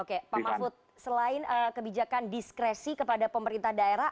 oke pak mahfud selain kebijakan diskresi kepada pemerintah daerah